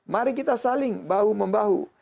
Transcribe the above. mari kita saling bahu membahu